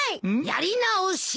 やり直し！